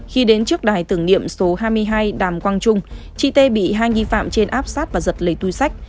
khi đến trước đài tử nghiệm số hai mươi hai đàm quang trung chị t bị hai nghi phạm trên áp sát và giật lấy tui sách